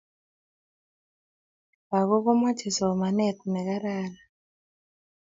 Lakok ko mochei somaneet ne kararan